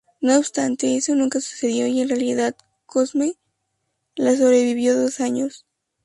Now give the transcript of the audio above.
No obstante, eso nunca sucedió y en realidad, Cosme la sobrevivió dos años.